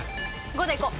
５でいこう。